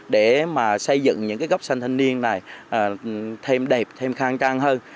để xây dựng những gốc xanh thanh niên này thêm đẹp thêm khang trang hơn